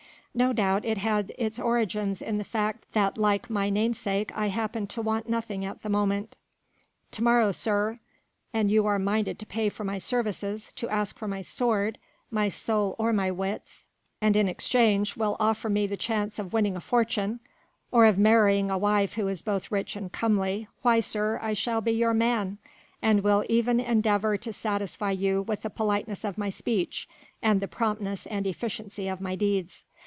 No doubt it had its origin in the fact that like my namesake I happened to want nothing at the moment. To morrow, sir, an you are minded to pay for my services, to ask for my sword, my soul or my wits, and in exchange will offer me the chance of winning a fortune or of marrying a wife who is both rich and comely, why sir, I shall be your man, and will e'en endeavour to satisfy you with the politeness of my speech and the promptness and efficiency of my deeds.